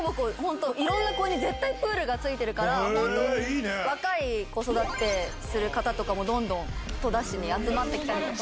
いろんな公園に絶対プールがついてるから若い子育てする方もどんどん戸田市に集まってきたり。